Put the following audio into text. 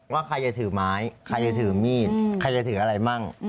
ว่าใครจะถือไม้ใครจะถือมีดใครจะถืออะไรมั่ง